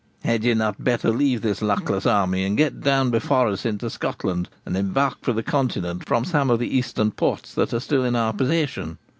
'Had you not better leave this luckless army, and get down before us into Scotland, and embark for the Continent from some of the eastern ports that are still in our possession?